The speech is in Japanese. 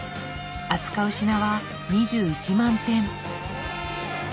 扱う品は２１万点。